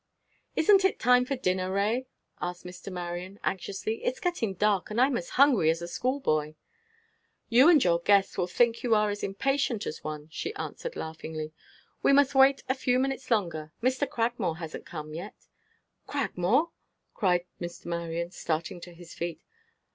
"Isn't it time for dinner, Ray?" asked Mr. Marion, anxiously. "It's getting dark, and I'm as hungry as a schoolboy." "Yes, and your guests will think you are as impatient as one," she answered, laughingly. "We must wait a few minutes longer. Mr. Cragmore hasn't come yet." "Cragmore!" cried Mr. Marion, starting to his feet.